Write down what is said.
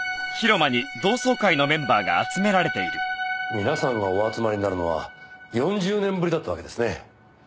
皆さんがお集まりになるのは４０年ぶりだったわけですね？